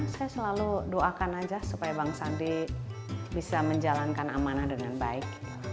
saya selalu doakan aja supaya bang sandi bisa menjalankan amanah dengan baik